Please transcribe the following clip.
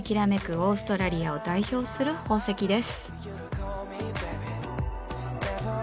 オーストラリアを代表する宝石です。